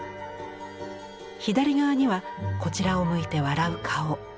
左側にはこちらを向いて笑う顔。